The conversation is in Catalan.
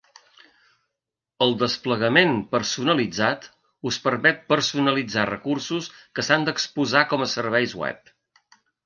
El desplegament personalitzat us permet personalitzar recursos que s'han d'exposar com a serveis web.